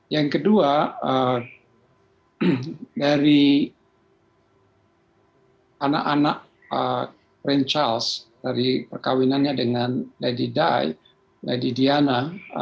yang kedua dari anak anak raja charles dari perkawinannya dengan lady di lady diana